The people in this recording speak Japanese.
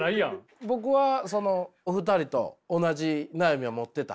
僕はそのお二人と同じ悩みを持ってた。